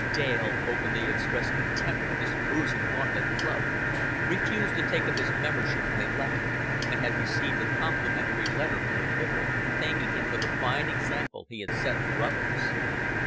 Dale openly expressed contempt for this boozing Gauntlet club, refused to take up his membership when elected, and had received a complimentary letter from the vicar thanking him for the fine example he had set for others.